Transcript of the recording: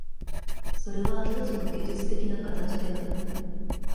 それはひとつの技術的な形である。